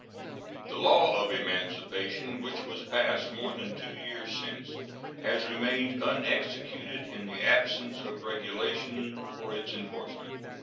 The law of emancipation, which was passed more than two years since, has remained unexecuted in the absence of regulations for its enforcement.